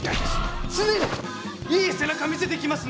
常にいい背中見せていきますんで！